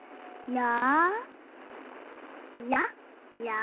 や。